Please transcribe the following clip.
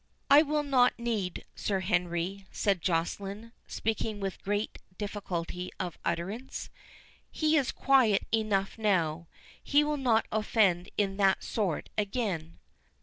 "It will not need, Sir Henry," said Joceline, speaking with great difficulty of utterance—"he is quiet enough now—he will not offend in that sort again."